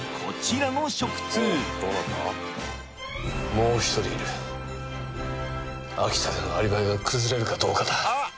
もう一人いる秋田でのアリバイが崩れるかどうかだあっ！